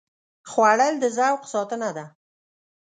خوړل د ذوق ساتنه ده